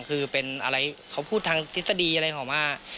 คือเป็นอะไรพวกเขาพูดทั้งทิศดีอะไรอย่างมาก